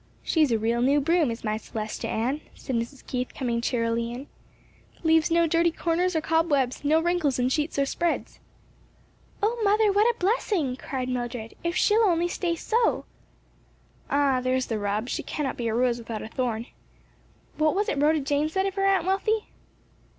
"She's a real new broom is my Celestia Ann," said Mrs. Keith, coming cheerily in, "leaves no dirty corners or cobwebs, no wrinkles in sheets or spreads." "O, mother, what a blessing?" cried Mildred, "if she'll only stay so." "Ah, there's the rub! she cannot be a rose without a thorn. What was it Rhoda Jane said of her, Aunt Wealthy?"